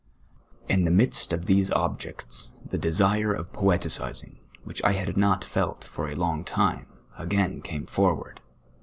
In the midst of these objects the desire of poetisinj:^, which I had not felt for a lonp; time, aj^ain came forward.